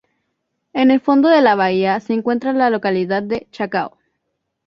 En el fondo de la bahía se encuentra la localidad de Chacao.